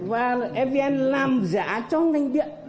và evn làm giá cho ngành điện